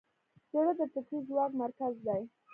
زړه د فکري ځواک مرکز دی.